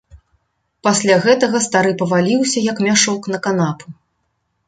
Пасля гэтага стары паваліўся, як мяшок, на канапу.